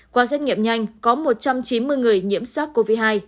qua xét nghiệm nhanh có một trăm chín mươi người nhiễm sars cov hai